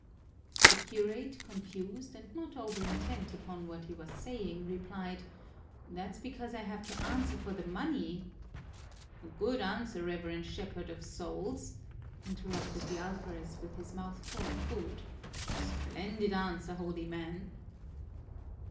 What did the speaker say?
The curate, confused, and not over intent upon what he was saying, replied, "That's because I have to answer for the money " "A good answer, reverend shepherd of souls!" interrupted the alferez with his mouth full of food. "A splendid answer, holy man!"